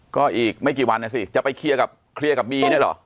ก็อีกไม่กี่วันนะสิจะไปเคลียร์กับเคลียร์กับบีเนี่ยเหรอ